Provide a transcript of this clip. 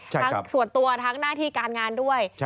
ส่วนตัวทั้งหน้าที่การงานด้วย